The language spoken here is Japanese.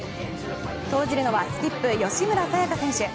投じるのはスキップ、吉村紗也香選手。